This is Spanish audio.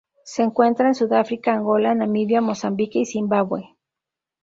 Se encuentra en Sudáfrica, Angola, Namibia, Mozambique y Zimbabue.